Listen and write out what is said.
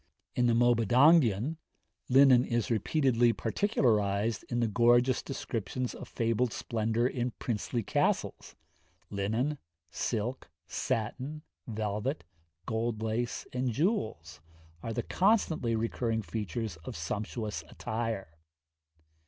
In the Mabinogion, linen is repeatedly particularised in the gorgeous descriptions of fabled splendour in princely castles linen, silk, satin, velvet, gold lace, and jewels, are the constantly recurring features of sumptuous attire.